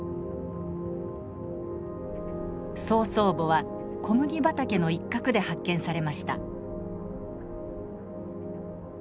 曹操墓は小麦畑の一角で発見されました。